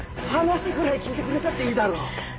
話くらい聞いてくれたっていいだろ！